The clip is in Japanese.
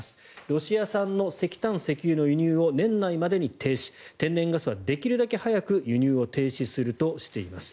ロシア産の石炭、石油の輸入を年内までに停止天然ガスはできるだけ早く輸入を停止するとしています。